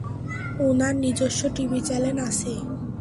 উনার নিজস্ব TV channel আছে।